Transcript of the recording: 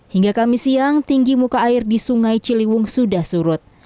hingga kami siang tinggi muka air di sungai ciliwung sudah surut